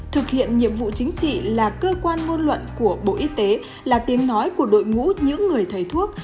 thực hiện nhiệm vụ chính trị là cơ quan ngôn luận của bộ y tế là tiếng nói của đội ngũ những người thầy thuốc